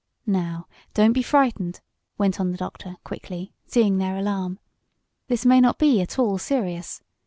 "Now, don't be frightened," went on the doctor quickly, seeing their alarm. "This may not be at all serious.